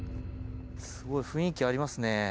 すごい雰囲気ありますね。